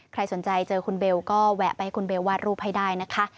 ใครสนใจเจอคุณเบลก็แวะไปให้คุณเบลวาดรูปให้ได้นะคะ